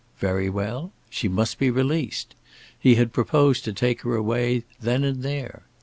Very well. She must be released. He had proposed to take her away then and there.